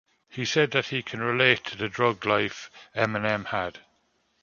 He said that he can relate to the drug life Eminem had.